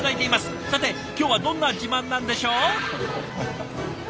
さて今日はどんな自慢なんでしょう？